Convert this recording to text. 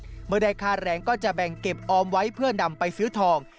เมื่อได้ค่าแรงก็จะแบ่งเก็บออมไว้เพื่อนำไปซื้อทอง